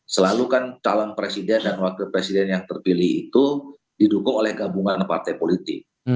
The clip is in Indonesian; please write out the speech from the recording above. selalu kan calon presiden dan wakil presiden yang terpilih itu didukung oleh gabungan partai politik